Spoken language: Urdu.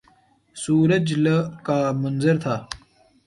سورج ل کا منظر تھا